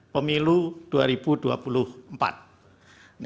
hanya suudonya ini dikaitkan dengan pemilu dua ribu dua puluh empat